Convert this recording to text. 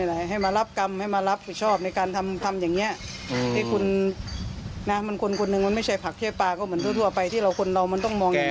แล้วก็เป็นเสาหลักของครอบครัว